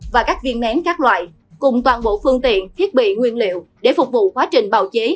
và các viên nén các loại cùng toàn bộ phương tiện thiết bị nguyên liệu để phục vụ quá trình bào chế